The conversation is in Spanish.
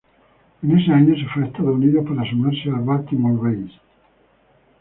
En ese año se fue a Estados Unidos para sumarse al Baltimore Bays.